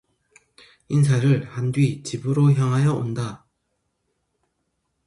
인사를 한 뒤 집으로 향하여 온다.